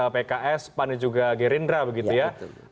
pks pan dan juga gerindra begitu ya